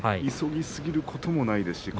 急ぎすぎることもないです。